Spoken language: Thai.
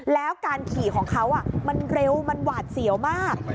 แล้วการขี่ของเขามันเร็วมันหวาดเสียวมาก